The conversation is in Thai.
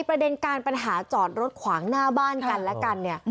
ประเด็นการปัญหาจอดรถขวางหน้าบ้านกันและกันเนี่ย